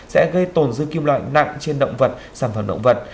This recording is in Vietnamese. sẽ gây tổn dư kim loại nặng trên động vật sản phẩm động vật